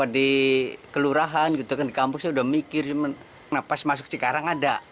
di kelurahan di kampus saya udah mikir pas masuk cikarang ada